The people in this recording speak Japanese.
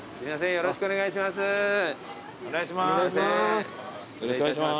よろしくお願いします。